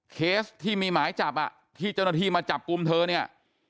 เคสที่มีหมายจับอ่ะที่เจ้าหน้าที่มาจับกลุ่มเธอเนี่ย